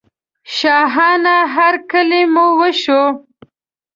شاهانه هرکلی مو وشو.